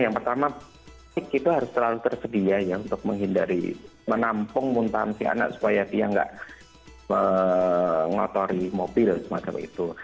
yang pertama sik itu harus selalu tersedia ya untuk menghindari menampung muntahan si anak supaya dia nggak mengotori mobil semacam itu